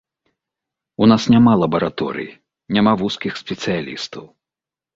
У нас няма лабараторый, няма вузкіх спецыялістаў.